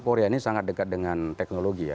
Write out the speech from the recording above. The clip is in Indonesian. korea ini sangat dekat dengan teknologi ya